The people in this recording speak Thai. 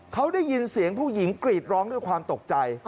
เขาได้ยินเสียงผู้หญิงกรีดร้องด้วยความตกใจ